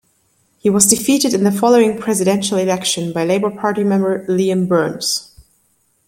He was defeated in the following presidential election by Labour party member Liam Burns.